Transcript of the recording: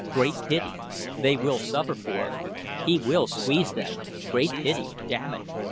Great pity. They will suffer for it. He will squeeze them. Great pity. Damn it!